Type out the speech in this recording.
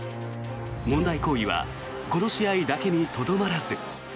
問題行為はこの試合だけにとどまらず。